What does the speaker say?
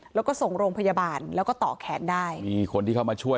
แล้วก็ส่งโรงพยาบาลแล้วก็ต่อแขนได้มีคนที่เข้ามาช่วย